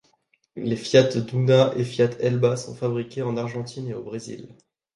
Les Fiat Duna et Fiat Elba seront fabriquées en Argentine et au Brésil.